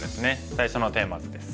最初のテーマ図です。